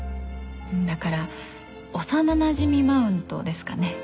だから幼なじみマウントですかね。